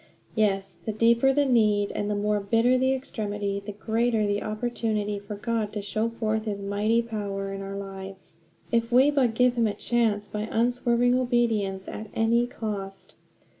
Yes, the deeper the need, and the more bitter the extremity, the greater the opportunity for God to show forth his mighty power in our lives, if we but give him a chance by unswerving obedience at any cost.